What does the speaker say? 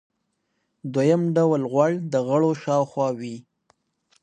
دویم ډول غوړ د غړو شاوخوا وي.